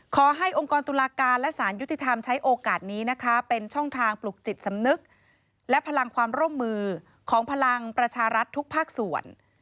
ขอให้องค์กรตุลาการและสารยุติธรรมใช้โอกาสนี้นะคะเป็นช่องทางปลุกจิตสำนึกและพลังความร่วมมือของพลังประชารัฐทุกภาคส่วน